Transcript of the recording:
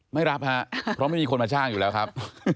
ไม่รับฮะเพราะไม่มีคนมาจ้างอยู่แล้วครับ